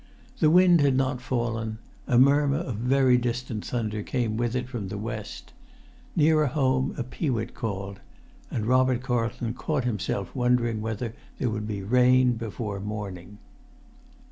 The wind had not fallen; a murmur of very distant thunder came with it from the west. Nearer home a peewit called, and Robert Carlton caught himself wondering whether there would be rain before morning.